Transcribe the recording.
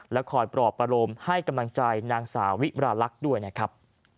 คอยปลอบประโลมให้กำลังใจนางสาวิมราลักษณ์ด้วยนะครับ